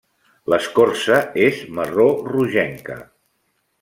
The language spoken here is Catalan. L'escorça és marró rogenca.